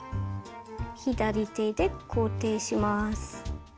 左手で固定します。